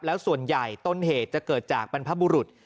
แล้วส่วนใหญ่ต้นเหตุจะเกิดจากบรรพบุรุษ